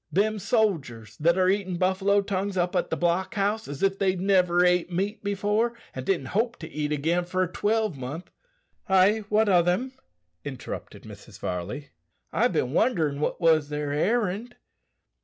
Them sodgers that are eatin' buffalo tongues up at the block house as if they'd niver ate meat before, and didn't hope to eat again for a twelvemonth " "Ay, what o' them?" interrupted Mrs. Varley; "I've bin wonderin' what was their errand."